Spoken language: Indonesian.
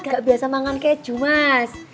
gak biasa makan keju mas